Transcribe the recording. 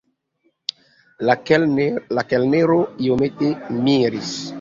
La kelnero iomete miris.